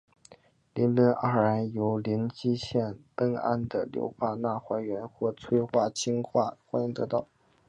邻苯二胺由邻硝基苯胺的硫化钠还原或催化氢化还原得到。